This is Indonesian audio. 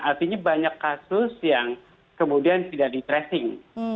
artinya banyak kasus yang kemudian tidak di tracing